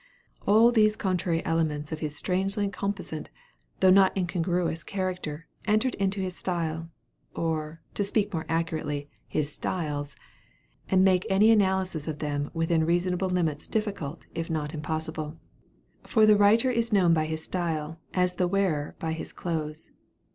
All these contrary elements of his strangely composite though not incongruous character entered into his style, or, to speak more accurately, his styles, and make any analysis of them within reasonable limits difficult, if not impossible. For the writer is known by his style as the wearer by his clothes.